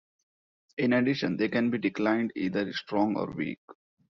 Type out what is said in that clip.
In addition, they can be declined either strong or weak.